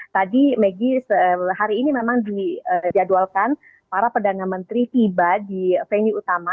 tadi maggie hari ini memang dijadwalkan para perdana menteri tiba di venue utama